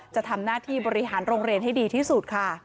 จะทำหน้าที่บริหารโรงเรียนให้ดีที่สุดค่ะ